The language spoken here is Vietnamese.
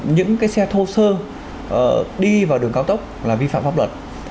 những cái xe thô sơ đi vào đường cao tốc là vi phạm pháp luật